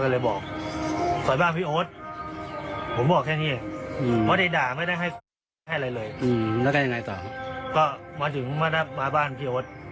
แล้วยังไง